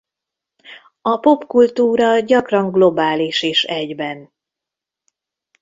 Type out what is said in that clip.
A popkultúra gyakran globális is egyben.